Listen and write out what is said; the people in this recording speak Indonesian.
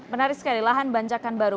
menarik sekali lahan bancakan baru